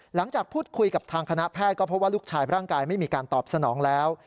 หลังจากพูดคุยกับทางคณะแพทย์ก็พบว่าลูกชายร่างกายไม่มีการตอบสนองแล้ว